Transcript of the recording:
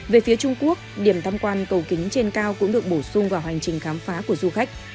về phía trung quốc điểm thăm quan cầu kính trên cao cũng được bổ sung vào hành trình khám phá của du khách